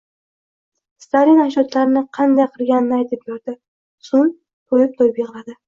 Stalin ajdodlarini qanday qirganini aytib berdi, so’ng to’yib-to’yib yig’ladi…